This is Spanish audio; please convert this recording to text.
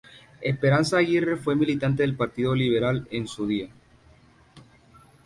Esperanza Aguirre fue militante del Partido Liberal en su día.